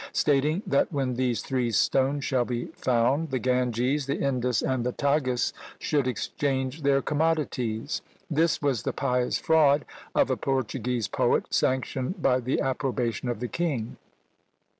stating that when these three stones shall be found, the Ganges, the Indus, and the Tagus should exchange their commodities! This was the pious fraud of a Portuguese poet, sanctioned by the approbation of the king.